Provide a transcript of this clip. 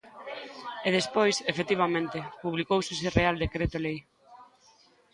E despois, efectivamente, publicouse ese real decreto lei.